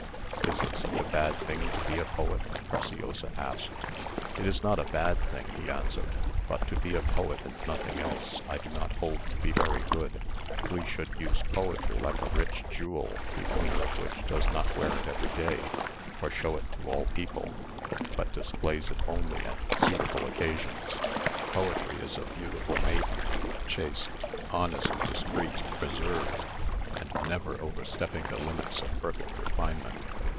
"Is it such a bad thing to be a poet?" Preciosa asked. "It is not a bad thing," he answered; "but to be a poet and nothing else I do not hold to be very good. We should use poetry like a rich jewel, the owner of which does not wear it every day, or show it to all people, but displays it only at suitable times. Poetry is a beautiful maiden, chaste, honest, discreet, reserved, and never overstepping the limits of perfect refinement.